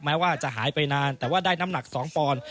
แม้ว่าจะหายไปนานแต่ว่าได้น้ำหนัก๒ปอนด์